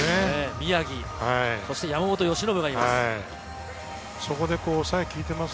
宮城、そして山本由伸がいます。